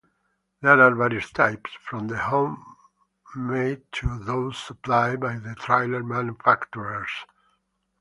There are various types, from home made to those supplied by the trailer manufacturers.